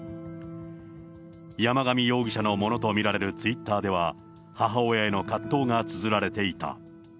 山上容疑者のものと見られるツイッターでは、母親への葛藤がつづられていた。